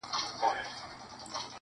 o نوي نوي غزل راوړه د ژوندون له رنګینیو,